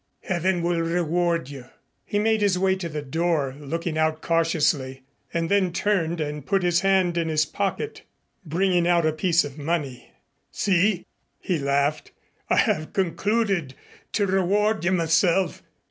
Heaven will reward you." He made his way to the door, looking out cautiously, and then turned and put his hand in his pocket, bringing out a piece of money. "See," he laughed, "I have concluded to reward you myself.